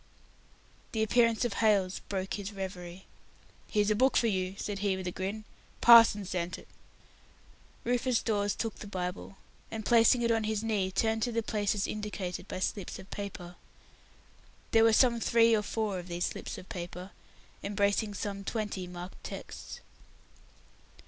The appearance of Hailes broke his reverie. "Here's a book for you," said he, with a grin. "Parson sent it." Rufus Dawes took the Bible, and, placing it on his knees, turned to the places indicated by slips of paper, embracing some twenty marked texts.